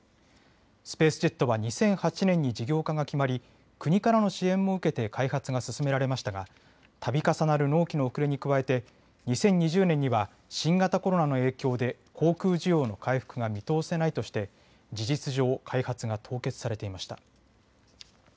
スペースジェットは２００８年に事業化が決まり国からの支援も受けて開発が進められましたがたび重なる納期の遅れに加えて２０２０年には新型コロナの影響で航空需要の回復が見通せないとして事実上、開発が凍結されていました。